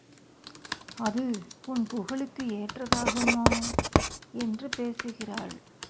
அது உன் புகழுக்கு ஏற்றதாகுமோ? என்று பேசுகிறாள்.